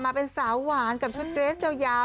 มาเป็นสาวหวานกับชุดเรสยาว